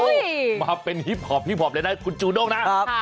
โอ้โหมาเป็นฮิปหอบเลยนะคุณจูโน่งนะ